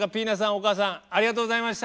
お母さんありがとうございました！